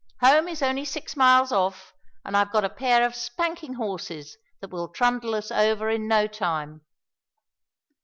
Home is only six miles off, and I've got a pair of spanking horses that will trundle us over in no time."